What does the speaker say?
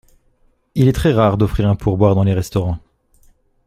Il est très rare d'offrir un pourboire dans les restaurants.